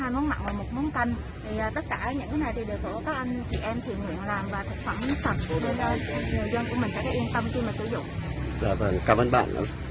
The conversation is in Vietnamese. tất cả những cái này thì được các anh chị em thường nguyện làm và thực phẩm sạch của người dân của mình sẽ yên tâm khi mà sử dụng